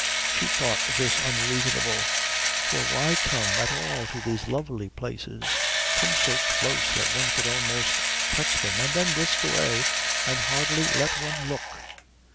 She thought this unreasonable; for why come at all to these lovely places, come so close that one could almost touch them, and then whisk away and hardly let one look?